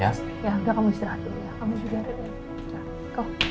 ya udah kamu istirahat dulu ya